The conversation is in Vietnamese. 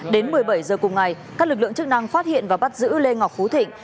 đến một mươi bảy h cùng ngày các lực lượng chức năng phát hiện và bắt giữ lê ngọc phú thịnh